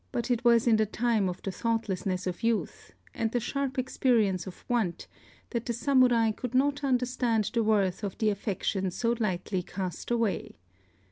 But it was in the time of the thoughtlessness of youth, and the sharp experience of want, that the Samurai could not understand the worth of the affection so lightly cast away.